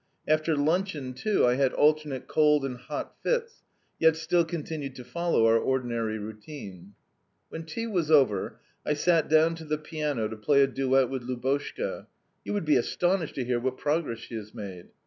After luncheon too, I had alternate cold and hot fits, yet still continued to follow our ordinary routine. "When tea was over I sat down to the piano to play a duct with Lubotshka, (you would be astonished to hear what progress she has made!)